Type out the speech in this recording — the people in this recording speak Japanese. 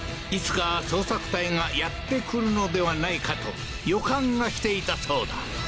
いつか捜索隊がやって来るのではないかと予感がしていたそうだ